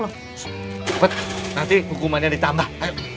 nanti hukumannya ditambah